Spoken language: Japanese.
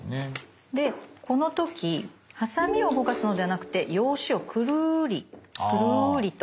でこの時ハサミを動かすのではなくて用紙をくるりくるりと。